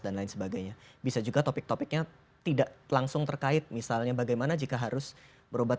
dan lain sebagainya bisa juga topik topiknya tidak langsung terkait misalnya bagaimana jika harus berobat